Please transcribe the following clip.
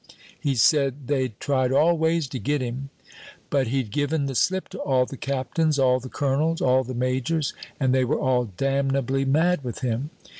He said they'd tried all ways to get him, but he'd given the slip to all the captains, all the colonels, all the majors, and they were all damnably mad with him.